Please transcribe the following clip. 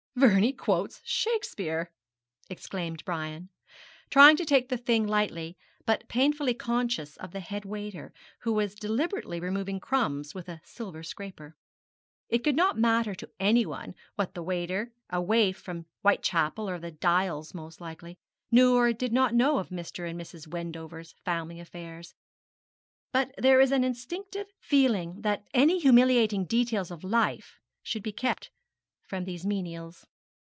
'Vernie quotes Shakespeare,' exclaimed Brian, trying to take the thing lightly, but painfully conscious of the head waiter, who was deliberately removing crumbs with a silver scraper. It could not matter to any one what the waiter a waif from Whitechapel or the Dials most likely knew or did not know of Mr. and Mrs. Wendover's family affairs; but there is an instinctive feeling that any humiliating details of life should be kept from these menials.